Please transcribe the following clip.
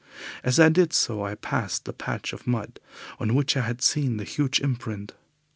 As I did so I passed the patch of mud on which I had seen the huge imprint.